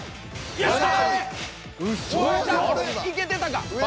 よっしゃ。